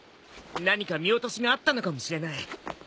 何か見落としがあったのかもしれない。